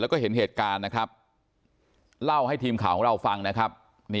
แล้วก็เห็นเหตุการณ์นะครับเล่าให้ทีมข่าวของเราฟังนะครับ